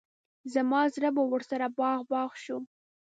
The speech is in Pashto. زما زړه به ورسره باغ باغ شو.